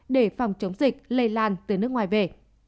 để phòng chống dịch lây lan từ nước ngoài về